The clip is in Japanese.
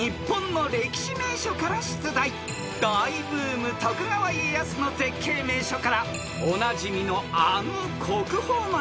［大ブーム徳川家康の絶景名所からおなじみのあの国宝まで］